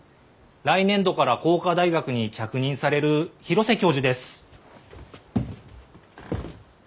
来年度から工科大学に着任される広瀬教授です。